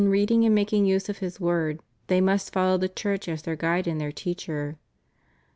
reading and making use of His Word they must follow the Church as their guide and their teacher. St.